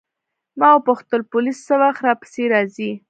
ما وپوښتل پولیس څه وخت راپسې راځي.